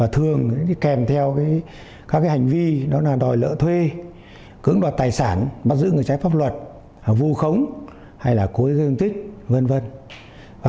thường kèm theo các hành vi đó là đòi lỡ thuê cưỡng đoạt tài sản bắt giữ người trái pháp luật vu khống hay là cối gương tích v v